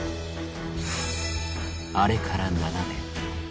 あれから７年。